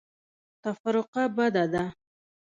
تفرقه بده ده.